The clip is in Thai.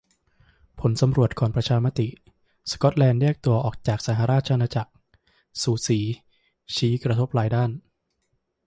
ผลสำรวจก่อนประชามติ สก๊อตแลนด์แยกตัวออกจากสหราชอาณาจักร"สูสี" ชี้ "กระทบหลายด้าน"